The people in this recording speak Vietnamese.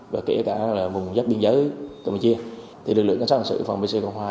và kể cả là vùng dắt biên giới cộng hòa chia thì lực lượng cảnh sát hình sự phòng bc cộng hòa